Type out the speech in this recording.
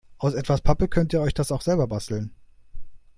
Aus etwas Pappe könnt ihr euch das auch selber basteln.